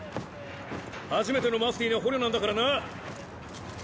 初めてのマフティーの捕虜なんだからな。